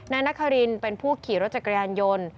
นายนครินเป็นผู้ขี่รถจักรยานยนต์